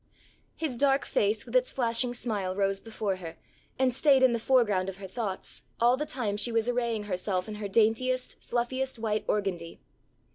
His dark face with its flashing smile rose before her, and stayed in the foreground of her thoughts, all the time she was arraying herself in her daintiest, fluffiest white organdy.